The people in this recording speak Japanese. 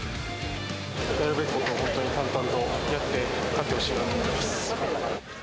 やるべきことを淡々とやって、勝ってほしいなと思います。